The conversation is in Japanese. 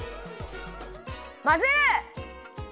まぜる！